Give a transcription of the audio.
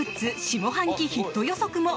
下半期ヒット予測も。